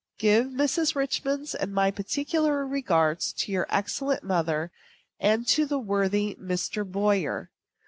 Give Mrs. Richman's and my particular regards to your excellent mother and to the worthy Mr. Boyer.